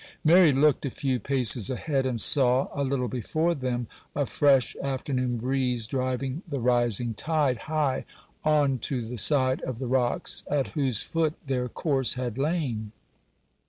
Mary looked a few paces ahead, and saw, a little before them, a fresh afternoon breeze driving the rising tide high on to the side of the rocks, at whose foot their course had lain.